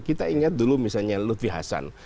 kita ingat dulu misalnya lutfi hasan